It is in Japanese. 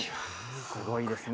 すごいですね。